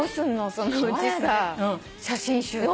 そのうちさ写真集とか。